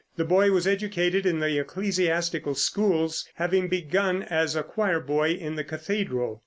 The boy was educated in the ecclesiastical schools, having begun as a choir boy in the cathedral.